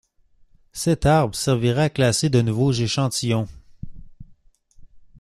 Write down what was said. Cet arbre servira à classer de nouveaux échantillons.